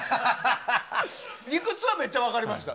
理屈はめっちゃ分かりました。